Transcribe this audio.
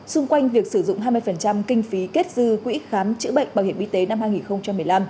xung quanh việc sử dụng hai mươi kinh phí kết dư quỹ khám chữa bệnh bảo hiểm y tế năm hai nghìn một mươi năm